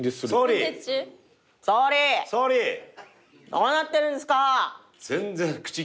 どうなってるんですか！